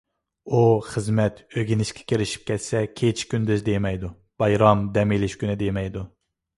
ئۇ خىزمەت، ئۆگىنىشكە كىرىشىپ كەتسە كېچە-كۈندۈز دېمەيدۇ؛ بايرام، دەم ئېلىش كۈنى دېمەيدۇ.